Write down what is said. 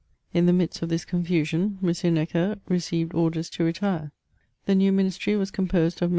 In the midst of this confusion, M. Necker received orders to retire. The new ministry was eomposed of MM.